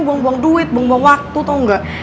buang buang duit buang buang waktu tau nggak